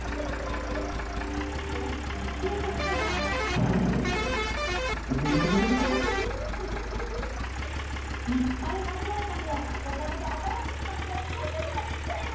いっぱい殴られたけどおかげで新しい漫画を買うことができたよ。